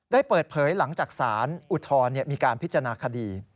ได้เปิดเผยหลังจากสารอุทธรณ์มีการพิจารณาคดี